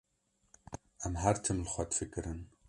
Em her tim li xwe difikirin.